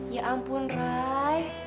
ya ampun rai